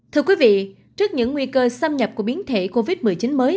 thưa quý vị trước những nguy cơ xâm nhập của biến thể covid một mươi chín mới